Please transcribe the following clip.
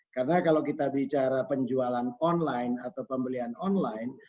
karena kalau kita bicara penjualan online atau pembelian online